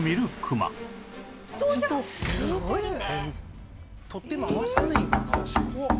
すごいね。